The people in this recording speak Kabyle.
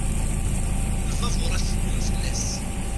Lbaburat tteddun fell-as.